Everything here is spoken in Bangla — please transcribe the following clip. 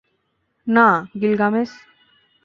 না, গিলগামেশ!